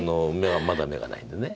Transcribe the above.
まだ眼がないんで。